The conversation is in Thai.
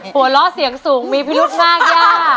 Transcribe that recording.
หัวเราะเสียงสูงมีพิรุธมากย่า